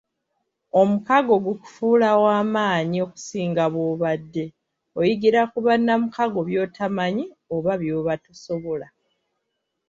Omukago gukufuula w'amaanyi okusinga bw'obadde; oyigira ku bannamukago by'otamanyi oba byoba tosobola.